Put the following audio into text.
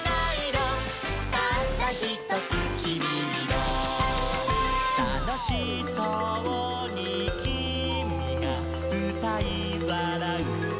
「たったひとつきみイロ」「たのしそうにきみがうたいわらうこえも」